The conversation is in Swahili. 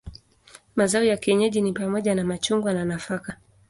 Mazao ya kienyeji ni pamoja na machungwa na nafaka.